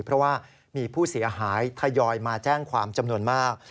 เพราะว่ามีผู้เสียหายทยอยมาแจ้งความจำนวนมาก